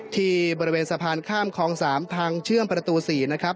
ที่บริเวณสะพานข้ามคลอง๓ทางเชื่อมประตู๔นะครับ